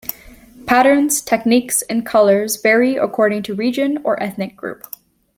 Patterns, techniques and colors vary according to region or ethnic group.